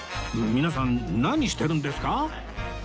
皆さん何してるんですか？